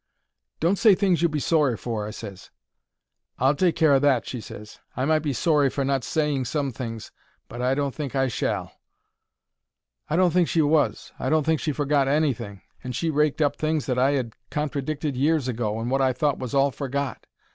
"Don't say things you'll be sorry for," I ses. "I'll take care o' that," she ses. "I might be sorry for not saying some things, but I don't think I shall." I don't think she was. I don't think she forgot anything, and she raked up things that I 'ad contradicted years ago and wot I thought was all forgot.